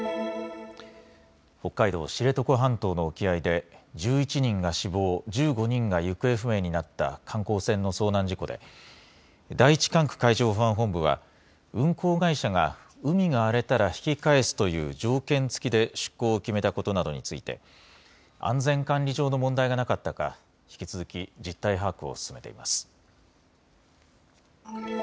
北海道知床半島の沖合で１１人が死亡、１５人が行方不明になった観光船の遭難事故で、第１管区海上保安本部は運航会社が海が荒れたら引き返すという条件付きで出航を決めたことなどについて安全管理上の問題がなかったか引き続き実態把握を進めています。